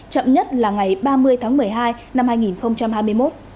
chậm nhất là ngày ba mươi tháng một mươi hai năm hai nghìn hai mươi một